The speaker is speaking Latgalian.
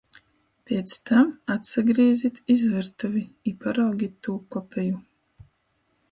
Piec tam atsagrīzit iz vyrtuvi i paraugit tū kopeju.